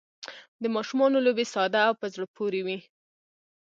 د ماشومانو لوبې ساده او په زړه پورې وي.